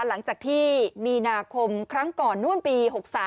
หลังจากที่มีนาคมครั้งก่อนนู่นปี๖๓